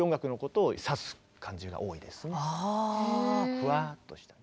ふわっとしたね。